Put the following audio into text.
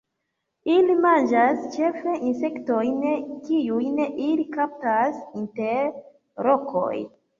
Ili manĝas ĉefe insektojn kiujn ili kaptas inter rokoj.